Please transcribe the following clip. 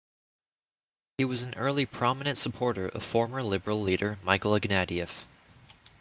He was an early prominent supporter of former Liberal leader Michael Ignatieff.